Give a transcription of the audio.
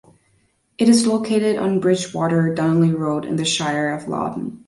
It is located on Bridgewater - Dunolly Road, in the Shire of Loddon.